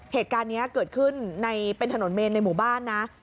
เหตุการณ์นี้เกิดขึ้นในเป็นถนนเมนในหมู่บ้านนะ